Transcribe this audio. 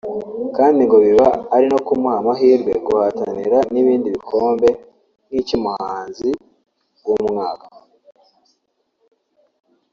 kandi ngo biba ari no kumuha amahirwe guhatanira n’ibindi bikombe nk’icyumuhanzikazi w’umwaka